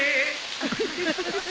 ウフフフ